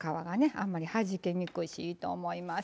あんまりはじけにくいしいいと思います。